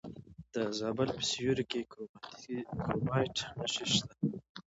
د زابل په سیوري کې د کرومایټ نښې شته.